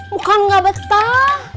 bukan enggak betah